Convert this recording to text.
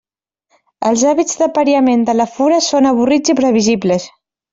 Els hàbits d'apariament de la fura són avorrits i previsibles.